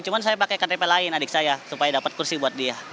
cuma saya pakai ktp lain adik saya supaya dapat kursi buat dia